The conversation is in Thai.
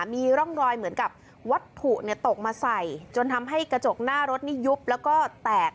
มีร่องรอยเหมือนกับวัตถุตกมาใส่จนทำให้กระจกหน้ารถนี่ยุบแล้วก็แตก